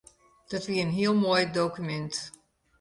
Dat wie in heel moai dokumint.